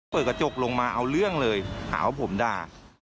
เปิดกระจกลงมาเอาเรื่องเลยหาว่าผมด่า